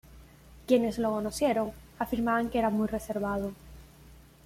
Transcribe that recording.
Quienes lo conocieron afirmaban que era muy reservado.